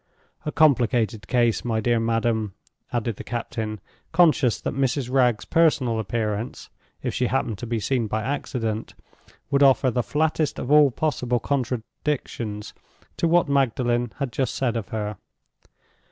"A complicated case, my dear madam," added the captain; conscious that Mrs. Wragge's personal appearance (if she happened to be seen by accident) would offer the flattest of all possible contradictions to what Magdalen had just said of her.